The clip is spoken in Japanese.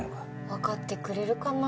わかってくれるかな？